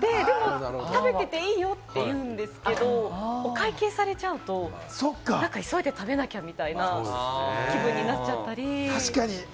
でも「食べてていいよ」って言うんですけれども、お会計されちゃうと、なんか急いで食べなきゃみたいな気分になっちゃったり。